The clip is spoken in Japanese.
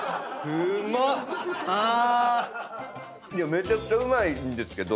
めちゃくちゃうまいんですけど。